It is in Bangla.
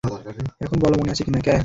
এখন বল, মনে আছে কিনা?